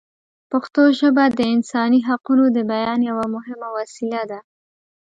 پښتو ژبه د انساني حقونو د بیان یوه مهمه وسیله ده.